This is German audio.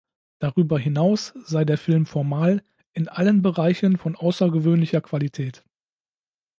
Darüber hinaus sei der Film formal „in allen Bereichen von außergewöhnlicher Qualität“.